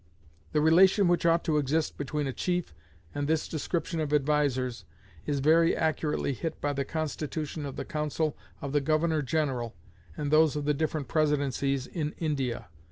The relation which ought to exist between a chief and this description of advisers is very accurately hit by the constitution of the Council of the Governor General and those of the different Presidencies in India.